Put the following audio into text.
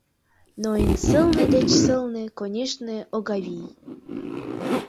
Но эн сылне деч сылне, конешне, Огавий.